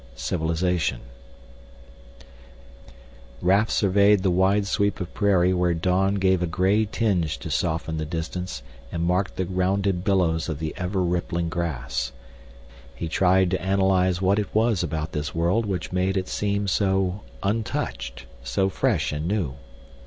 4 CIVILIZATION Raf surveyed the wide sweep of prairie where dawn gave a gray tinge to soften the distance and mark the rounded billows of the ever rippling grass. He tried to analyze what it was about this world which made it seem so untouched, so fresh and new.